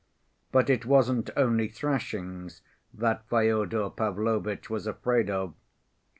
But it wasn't only thrashings that Fyodor Pavlovitch was afraid of.